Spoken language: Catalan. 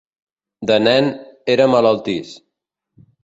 De nen era malaltís.